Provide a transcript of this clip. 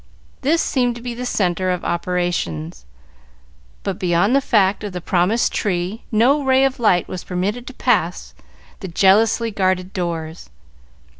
This seemed to be the centre of operations, but beyond the fact of the promised tree no ray of light was permitted to pass the jealously guarded doors.